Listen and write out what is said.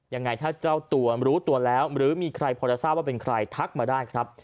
ยังไงถ้าเจ้าตัวรู้ตัวแล้วหรือมีใครพอจะทราบว่าเป็นใครทักมาได้ครับ